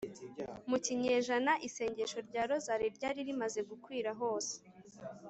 mu kinyejana isengesho rya rozali ryari rimaze gukwira hose